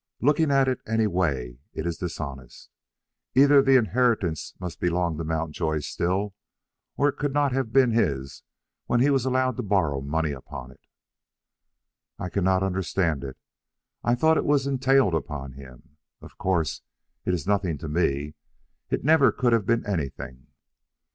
Looking at it any way it is dishonest, Either the inheritance must belong to Mountjoy still, or it could not have been his when he was allowed to borrow money upon it." "I cannot understand it. I thought it was entailed upon him. Of course it is nothing to me. It never could have been anything."